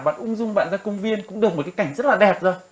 bạn ung dung bạn ra công viên cũng được một cái cảnh rất là đẹp rồi